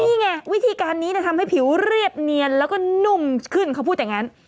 นี่ไงวิธีการนี้จะทำให้ผิวเรียบเนียนแล้วก็นุ่มขึ้นเขาพูดอย่างนั้น